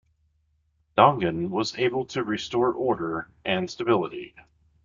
Dongan was able to restore order and stability.